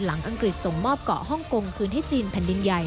อังกฤษส่งมอบเกาะฮ่องกงคืนให้จีนแผ่นดินใหญ่